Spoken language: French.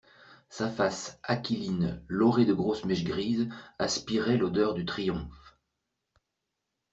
Sa face aquiline laurée de grosses mèches grises aspirait l'odeur du triomphe.